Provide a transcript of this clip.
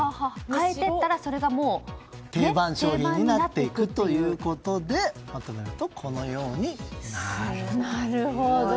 変えていったらそれが定番になっていくと。ということでまとめると、このようになると。